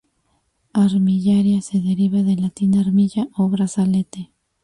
Armillaria se deriva del latín armilla o "brazalete".